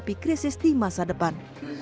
tapi krisis di masa depan